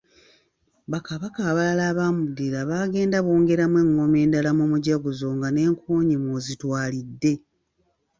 Bakabaka abaamuddirira baagenda bongeramu engoma endala mu mujaguzo nga n’enkoonyi mw'ozitwalidde.